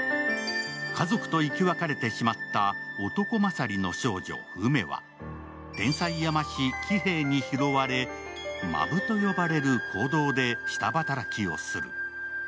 家族と生き別れてしまった男勝りの少女、ウメは天才山師・喜兵衛に拾われ、間歩と呼ばれる坑道で下働きをする。